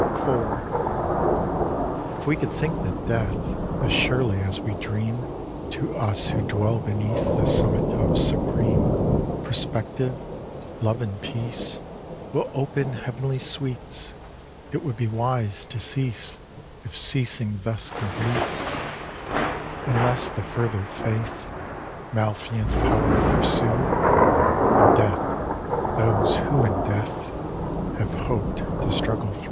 IV If we could think that death As surely as we dream, To us who dwell beneath The summit of supreme Prospective—Love and Peace— Will open Heav'nly sweets; It would be wise to cease, If ceasing thus completes; Unless the further faith, Malefiant power pursue In death those who in death Have hoped to struggle thro'.